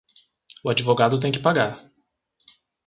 O advogado tem que pagar.